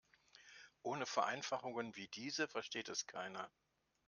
Ohne Vereinfachungen wie diese versteht es keiner.